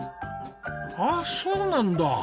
あっそうなんだ。